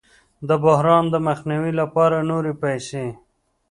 د بحران د مخنیوي لپاره نورې پیسې